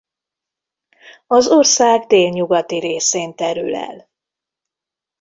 Az ország délnyugati részén terül el.